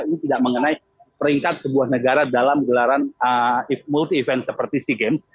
ini tidak mengenai peringkat sebuah negara dalam gelaran multi event seperti sea games